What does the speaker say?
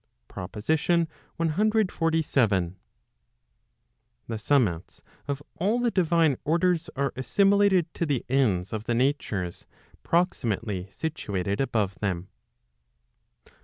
PROPOSITION CXLVII. The summits of all the divine orders are assimilated to the ends of the natures [proximately] situated above them.